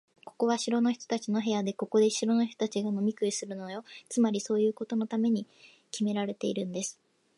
ここは城の人たちの部屋で、ここで城の人たちが飲み食いするのよ。つまり、そういうことのためにきめられているんです。